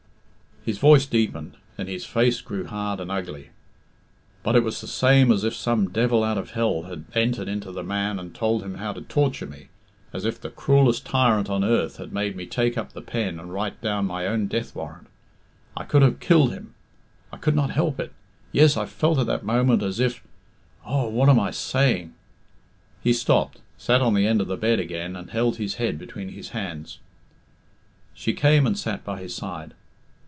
His voice deepened, and his face grew hard and ugly. "But it was the same as if some devil out of hell had entered into the man and told him how to torture me as if the cruellest tyrant on earth had made me take up the pen and write down my own death warrant. I could have killed him I could not help it yes, I felt at that moment as if Oh, what am I saying?" He stopped, sat on the end of the bed again, and held his head between his hands. She came and sat by his side.